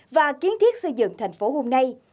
và kiến thiết xây dựng thành phố hôm nay